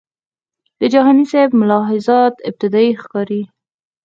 د جهانی سیب ملاحظات ابتدایي ښکاري.